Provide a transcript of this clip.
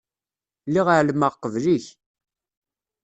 Lliɣ ɛelmeɣ qbel-ik.